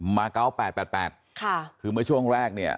มาเก้าแปดแปดแปดค่ะคือเมื่อช่วงแรกเนี่ย